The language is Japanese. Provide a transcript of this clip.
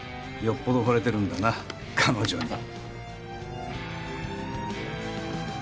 よっぽどほれてるんだな彼女に。